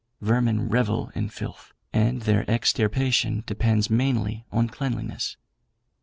Vermin revel in filth, and their extirpation depends mainly on cleanliness.